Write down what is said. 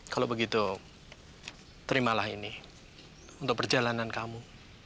kalau begitu terimalah ini untuk perjalanan kamu